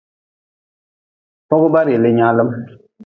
Fogba rili nyaalm.